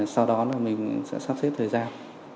sau đó mình sẽ sắp xếp thời gian